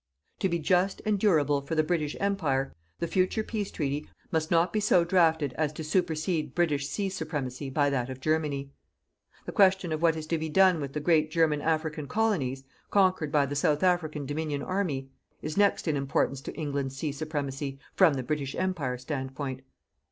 To be JUST and DURABLE for the British Empire, the future peace treaty must not be so drafted as to supersede British sea supremacy by that of Germany. The question of what is to be done with the great German African Colonies, conquered by the South African Dominion army, is next in importance to England's sea supremacy, from the British Empire stand point.